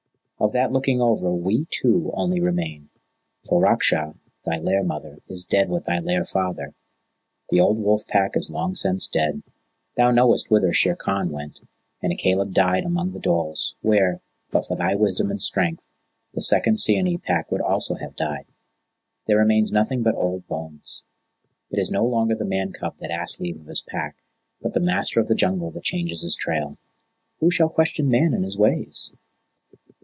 Of that Looking Over we two only remain; for Raksha, thy lair mother, is dead with thy lair father; the old Wolf Pack is long since dead; thou knowest whither Shere Khan went, and Akela died among the dholes, where, but for thy wisdom and strength, the second Seeonee Pack would also have died. There remains nothing but old bones. It is no longer the Man cub that asks leave of his Pack, but the Master of the Jungle that changes his trail. Who shall question Man in his ways?"